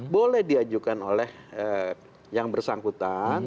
boleh diajukan oleh yang bersangkutan